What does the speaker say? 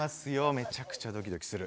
めちゃくちゃドキドキする。